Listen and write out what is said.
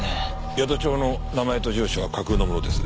宿帳の名前と住所は架空のものです。